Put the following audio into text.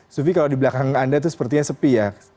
sufi kalau di belakang anda itu sepertinya sepi ya